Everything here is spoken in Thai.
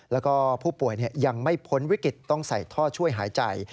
แล้วก็ผู้ป่วยยังไม่พ้นวิกฤตต้องใส่ท่อช่วยหายใจ